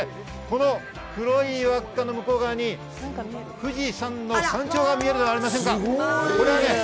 黒い輪っかの向こう側に富士山の山頂が見えるではありませんか。